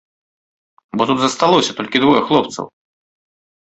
Бо тут засталося толькі двое хлопцаў.